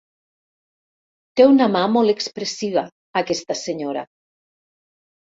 Té una mà molt expressiva, aquesta senyora.